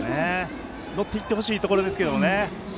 乗っていってほしいところですね。